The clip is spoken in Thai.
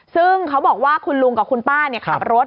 ซึ่งเขาบอกว่าคุณลุงกับคุณป้าขับรถ